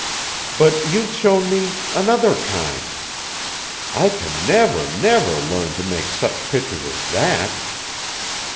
But you've shown me another kind! I can never, never learn to make such pictures as that!"